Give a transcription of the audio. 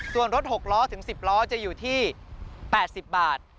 ส่วนรถ๖ล้อถึง๑๐ล้อจะอยู่ที่๘๐บาท